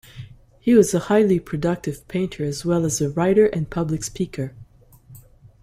He was a highly productive painter as well as a writer and public speaker.